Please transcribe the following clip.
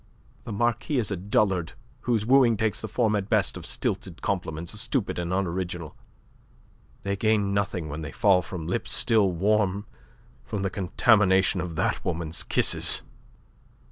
The Marquis is a dullard whose wooing takes the form at best of stilted compliments, stupid and unoriginal. They gain nothing when they fall from lips still warm from the contamination of that woman's kisses."